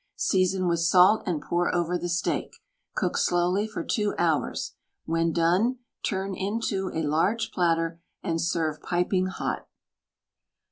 Season with salt and pour over the steak; cook slowly for two hours. When done turn into a large platter and serve piping hot.